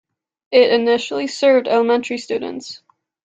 It initially served elementary students.